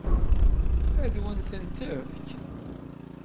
Ad wen-tent-tefk?